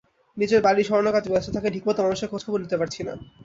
নিজের বাড়ি সরানোর কাজে ব্যস্ত থাকায় ঠিকমতো মানুষের খোঁজখবর নিতে পারছি না।